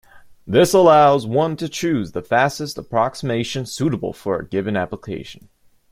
This allows one to choose the fastest approximation suitable for a given application.